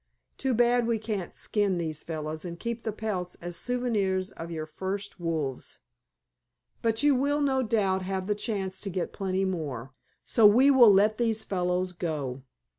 Too bad we can't skin these fellows and keep the pelts as souvenirs of your first wolves. But you will no doubt have the chance to get plenty more, so we will let these fellows go.